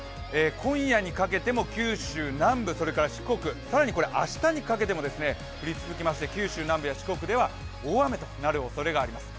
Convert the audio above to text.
今夜にかけても九州南部、四国、更に明日にかけても降り続きまして九州南部や四国では大雨となる可能性があります。